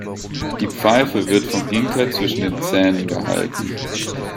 Die Pfeife wird vom Imker zwischen den Zähnen gehalten.